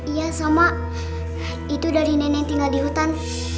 iya sama itu dari nenek yang tinggal di hutan